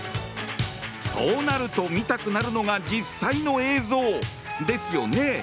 そうなると見たくなるのが実際の映像ですよね。